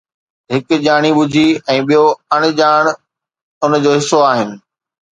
هڪ ڄاڻي ٻجهي ۽ ٻيو اڻڄاڻ ان جو حصو آهن.